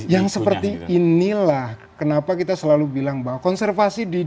yang seperti inilah kenapa kita selalu bilang bahwa konservasi di dunia